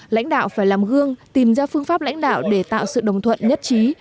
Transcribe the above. lãnh đạo phải làm gương tìm ra phương pháp lãnh đạo để tạo sự đồng thuận nhất trí